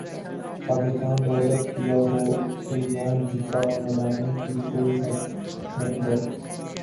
پاکستان دو لخت کیا ہو اسے یوم دفاع منانے کا کوئی حق نہیں ہے